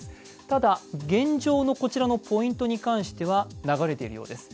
ただ、現状のこちらのポイントに関しては流れているようです。